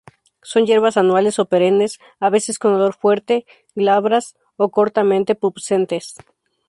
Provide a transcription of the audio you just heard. Son hierbas anuales o perennes, a veces con olor fuerte, glabras a cortamente pubescentes.